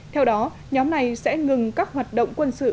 theo đó nhóm này sẽ ngừng các hoạt động quân sự